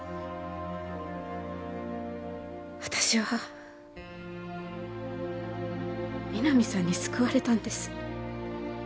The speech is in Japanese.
私は皆実さんに救われたんです